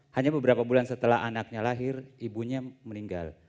hanya beberapa bulan setelah anaknya lahir ibunya meninggal